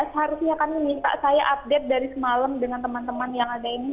seharusnya kami minta saya update dari semalam dengan teman teman yang ada ini